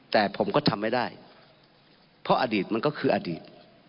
แต่ผมก็ทำไม่ได้เพราะอดีตมันก็คืออดีต